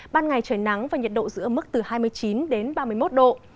ban ngày trời nắng và nhiệt độ giữa mức hai mươi chín ba mươi một độ